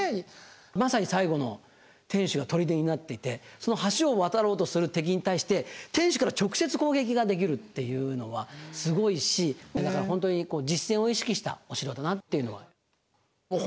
まさに最後の天守が砦になっていてその橋を渡ろうとする敵に対して天守から直接攻撃ができるっていうのはすごいしだから本当に実戦を意識したお城だなというのは。